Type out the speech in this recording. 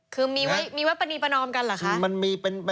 คือมีวัดปณีประนอมกันเหรอคะ